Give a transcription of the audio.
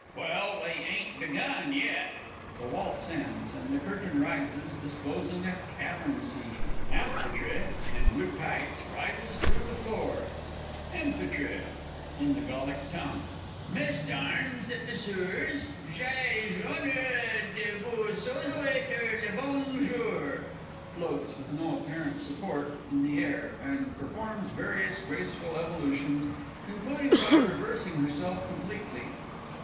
Well, they ain't begun yet. [The Waltz ends, and the Curtain rises, disclosing a CAVERN SCENE. AMPHITRE, in blue tights, rises through the floor. AMPHITRE (in the Gallic tongue). Mesdarms et Messures, j'ai l'honnoor de vous sooayter le bong jour! (_Floats, with no apparent support, in the air, and performs various graceful evolutions, concluding by reversing herself completely.